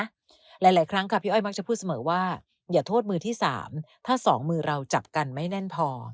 หลายครั้งค่ะพี่อ้อยมักจะพูดเสมอว่าอย่าโทษมือที่สามถ้าสองมือเราจับกันไม่แน่นพอ